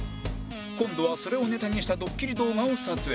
今度はそれをネタにしたドッキリ動画を撮影